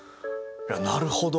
なるほど。